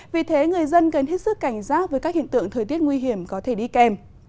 vì thế người dân cần hết sức cảnh giác với các hiện tượng thời tiết nguy hiểm có thể đi kèm